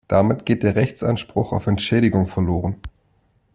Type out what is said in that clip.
Damit geht der Rechtsanspruch auf Entschädigung verloren.